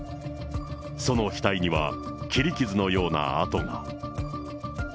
その額には切り傷のような痕が。